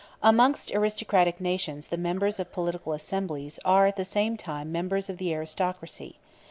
Amongst aristocratic nations the members of political assemblies are at the same time members of the aristocracy.